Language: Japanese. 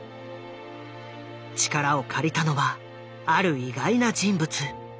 力を借りたのはある意外な人物。